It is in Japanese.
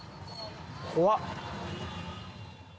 怖っ。